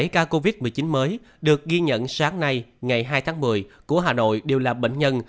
bảy ca covid một mươi chín mới được ghi nhận sáng nay ngày hai tháng một mươi của hà nội đều là bệnh nhân